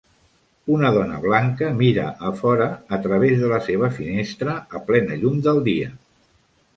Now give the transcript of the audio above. Una dona blanca mira a fora a través de la seva finestra a plena llum del dia.